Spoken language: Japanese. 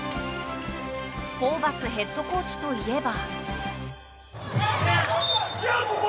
ホーバスヘッドコーチといえば。